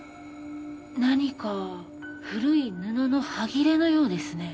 何か古い布の端切れのようですね。